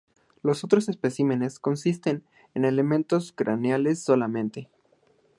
Los otros especímenes consisten en elementos craneales solamente.